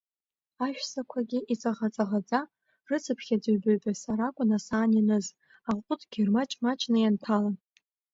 Ашәсақәагьы, иҵаӷа-ҵаӷаӡа, рыцԥхьаӡа ҩба-ҩба са ракәын асаан ианыз, аҟәыдгьы рмаҷ-маҷны ианҭәалан.